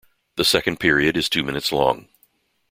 The second period is two minutes long.